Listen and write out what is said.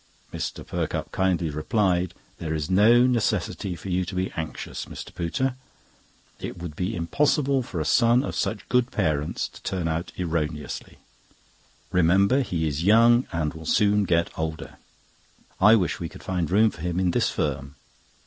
Mr. Perkupp kindly replied: "There is no necessity for you to be anxious, Mr. Pooter. It would be impossible for a son of such good parents to turn out erroneously. Remember he is young, and will soon get older. I wish we could find room for him in this firm."